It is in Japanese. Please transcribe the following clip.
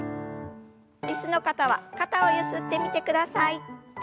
椅子の方は肩をゆすってみてください。